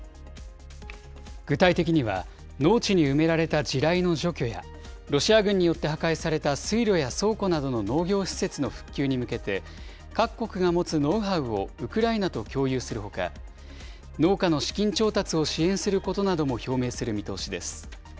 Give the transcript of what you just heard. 具体的には農地に埋められた地雷の除去や、ロシア軍によって破壊された水路や倉庫などの農業施設の復旧に向けて、各国が持つノウハウをウクライナと共有するほか、農家の資金調達を支援することなども表明する見通しです。